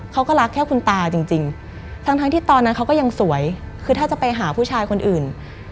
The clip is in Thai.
เขาก็รักแค่คุณตาจริงทั้งที่ตอนนั้นเขาก็ยังสวยคือถ้าจะไปหาผู้ชายคนอื่น